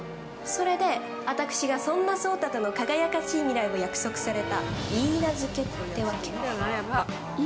それで、あたくしがそんな颯太との輝かしい未来を約束されたいいなずけってわけ。